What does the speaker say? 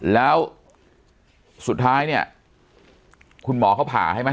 แล้วสุดท้ายเนี่ยคุณหมอเขาผ่าให้ไหม